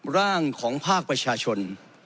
ร่างของภาคประชาชน